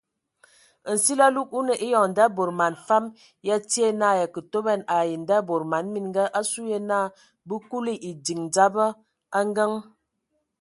Nsili alug o nə eyɔŋ nda bod man fam ya tie na ya kə toban ai ndabod man mininga asu ye na bə kuli ediŋ dzaba a ngəŋ.